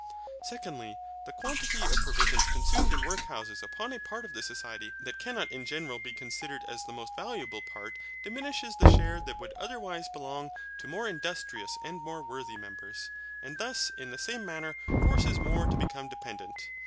Secondly, the quantity of provisions consumed in workhouses upon a part of the society that cannot in general be considered as the most valuable part diminishes the shares that would otherwise belong to more industrious and more worthy members, and thus in the same manner forces more to become dependent.